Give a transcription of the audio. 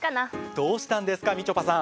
どうしたんですかみちょぱさん。